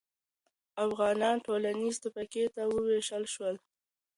افغانان ټولنیزې طبقې ته وویشل شول.